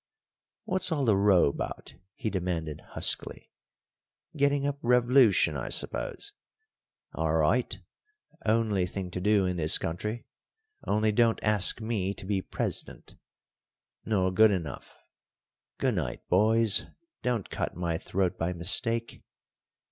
"What's all the row 'bout?" he demanded huskily. "Getting up rev'lution, I s'pose. A'right; only thing to do in this country. Only don't ask me to be pres'dent. Nor good enough. Goo' night, boys; don't cut my throat by mistake.